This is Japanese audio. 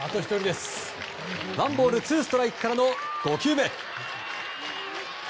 ワンボールツーストライクからの５球目。